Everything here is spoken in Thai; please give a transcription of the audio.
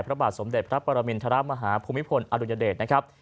พระบาทสมเด็จพระปรมาธรมมิธรามหาภูมิภลอรุณเยอเดชนะครับ